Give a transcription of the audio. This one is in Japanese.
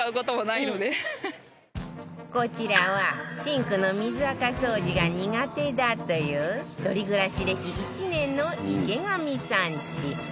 こちらはシンクの水アカ掃除が苦手だという一人暮らし歴１年の池上さんち